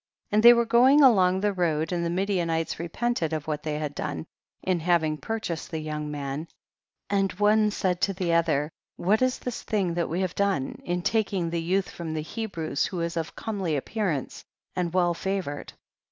20. They w^ere going along the road, and the Midianites repented of what they had done, in having purchased the young man, and one said to tlie other, what is this thing that we have done, in taking this 130 THE BOOK OF JASHER. youth from the Hebrews, who is of comely appearance and well favor ed.